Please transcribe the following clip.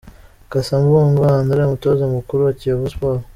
Cassa Mbungo Andre umutoza mukuru wa Kiyovu Sport.